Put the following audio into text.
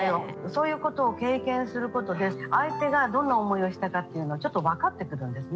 そういうことを経験することで相手がどんな思いをしたかっていうのはちょっと分かってくるんですね。